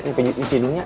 nih pengisi dulunya